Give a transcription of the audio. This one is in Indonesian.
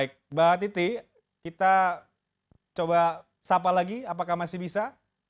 baik mbak titi kita coba sapa lagi apakah masih bisa